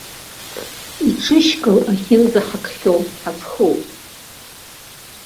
Иҽышькыл ахьынӡаҳкхьоу ҳазхоуп.